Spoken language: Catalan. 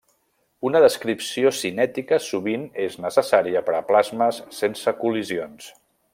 Una descripció cinètica sovint és necessària per a plasmes sense col·lisions.